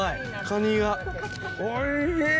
おいしい！